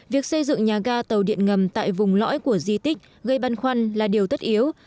việc xây dựng nhà ga tàu điện ngầm tại vùng lõi của di tích gây băn khoăn là điều tất yếu